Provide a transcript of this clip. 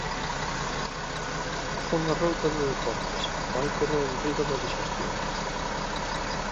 Pon a roupa de deportes, vai correr enriba da dixestión.